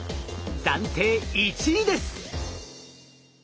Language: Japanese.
暫定１位です。